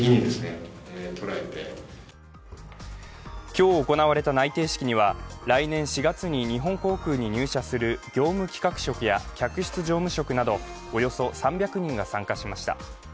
今日行われ内定式には来年４月に日本航空に入社する業務企画職や客室常務職などおよそ３００人が参加しました。